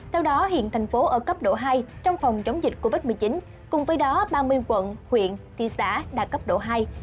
theo đó hiện thành phố ở cấp độ hai trong phòng chống dịch covid một mươi chín cùng với đó ba mươi quận huyện thị xã đạt cấp độ hai